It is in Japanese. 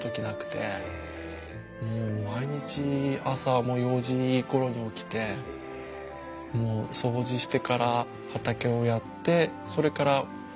もう毎日朝はもう４時ごろに起きてもう掃除してから畑をやってそれからお仕事に行って。